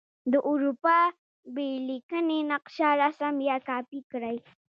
د اروپا بې لیکنې نقشه رسم یا کاپې کړئ.